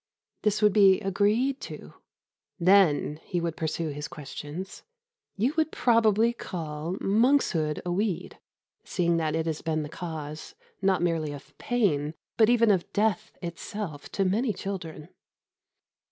This would be agreed to. "Then," he would pursue his questions, "you would probably call monkshood a weed, seeing that it has been the cause not merely of pain but even of death itself to many children."